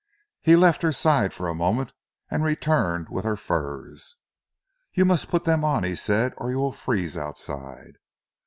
He left her side for a moment, and returned with her furs. "You must put them on," he said, "or you will freeze outside."